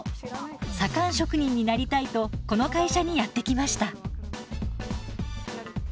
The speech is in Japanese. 左官職人になりたいとこの会社にやって来ました。